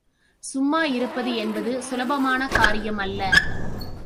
சும்மா இருப்பது என்பது சுலபமான காரியம் அல்ல.